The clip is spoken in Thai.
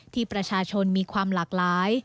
ที่ประชาชนมีความหลากหลาย